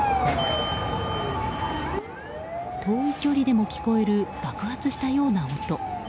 遠い距離でも聞こえる爆発したような音。